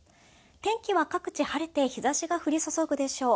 天気は各地晴れて日ざしが降り注ぐでしょう。